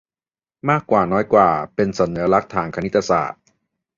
มากกว่าน้อยกว่าเป็นสัญลักษณ์ทางคณิตศาสตร์